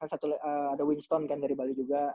kan satu ada winston kan dari bali juga